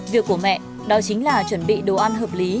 việc của mẹ đó chính là chuẩn bị đồ ăn hợp lý